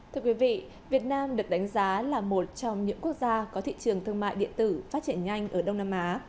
thưa quý vị việt nam được đánh giá là một trong những quốc gia có thị trường thương mại điện tử phát triển nhanh ở đông nam á